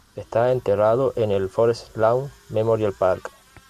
Está enterrado en el Forest Lawn Memorial Park.